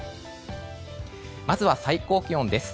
まずは最高気温です。